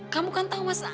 kamu kan tahu mas